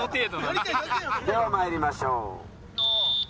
では参りましょう。